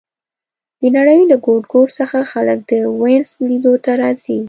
د نړۍ له ګوټ ګوټ څخه خلک د وینز لیدو ته راځي